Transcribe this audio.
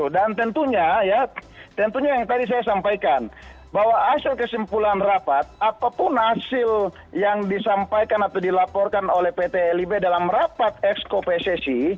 dan tentunya yang tadi saya sampaikan bahwa hasil kesimpulan rapat apapun hasil yang disampaikan atau dilaporkan oleh pt lib dalam rapat eksko pssi